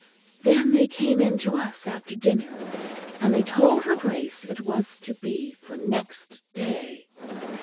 Then they came in to us after dinner; and they told her Grace it was to be for next day.